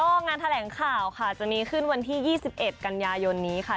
ก็งานแถลงข่าวค่ะจะมีขึ้นวันที่๒๑กันยายนนี้ค่ะ